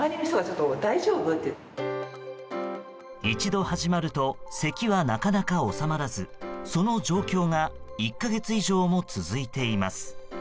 一度始まるとせきはなかなか治まらずその状況が１か月以上も続いています。